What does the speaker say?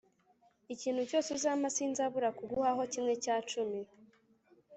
Ikintu cyose uzampa sinzabura kuguhaho kimwe cya cumi